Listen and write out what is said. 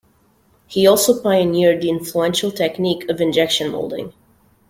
He also pioneered the influential technique of injection moulding.